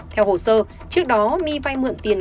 theo hồ sơ trước đó my vai mượn tiền